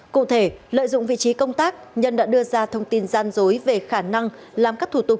cụ thể lợi dụng vị trí công tác nhân đã đưa ra thông tin gian dối về khả năng làm các thủ tục